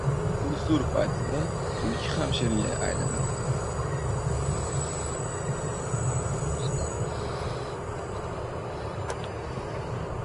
• Ur-sur paytida tulki ham sherga aylanadi.